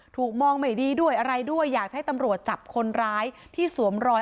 ถูกมองไม่ดีด้วยอะไรด้วยอยากให้ตำรวจจับคนร้ายที่สวมรอย